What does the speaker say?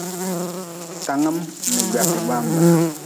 Tanngim n gwaate gbambe.